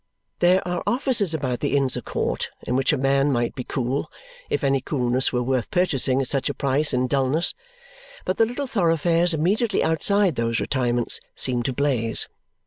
There are offices about the Inns of Court in which a man might be cool, if any coolness were worth purchasing at such a price in dullness; but the little thoroughfares immediately outside those retirements seem to blaze.